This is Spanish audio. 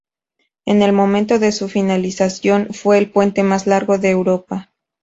En el momento de su finalización, fue el puente más largo de Europa.